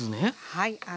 はい。